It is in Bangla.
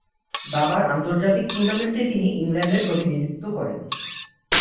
দাবার আন্তর্জাতিক টুর্নামেন্টে তিনি ইংল্যান্ডের প্রতিনিধিত্ব করেন।